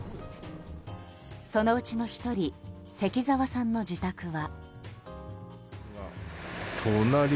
そのうちの１人関澤さんの自宅は。